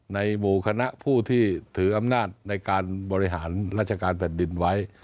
หมู่คณะผู้ที่ถืออำนาจในการบริหารราชการแผ่นดินไว้